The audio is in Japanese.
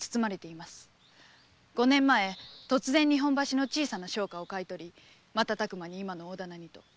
五年前に突然日本橋の小さな商家を買い取り瞬く間に今の大店に。